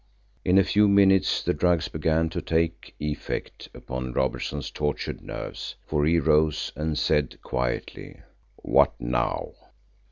In a few minutes the drugs began to take effect upon Robertson's tortured nerves, for he rose and said quietly, "What now?"